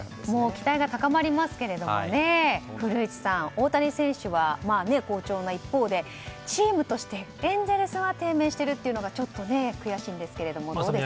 期待が高まりますけどね古市さん、大谷選手は好調な一方でチームとしてエンゼルスは低迷しているというのがちょっと悔しいんですがどうですか？